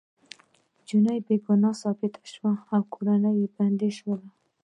انجلۍ بې ګناه ثابته شوه او کورنۍ يې بندیان شول